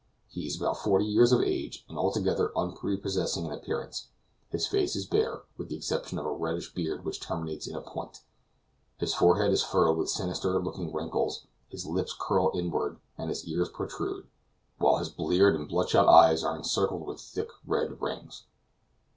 He is about forty years of age, and altogether unprepossessing in appearance; his face is bare, with the exception of a reddish beard, which terminates in a point; his forehead is furrowed with sinister looking wrinkles, his lips curl inward, and his ears protrude, while his bleared and bloodshot eyes are encircled with thick red rings.